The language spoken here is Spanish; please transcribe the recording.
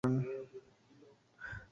Canta en ruso, letón y alemán.